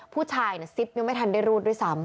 ผู้ชายเนี่ยซิบไม่ทันได้รูดด้วยซ้ำ